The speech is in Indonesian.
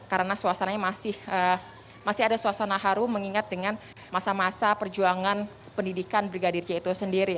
karena suasananya masih ada suasana haru mengingat dengan masa masa perjuangan pendidikan brigadir jaya itu sendiri